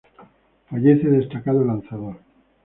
Fallece destacado lanzador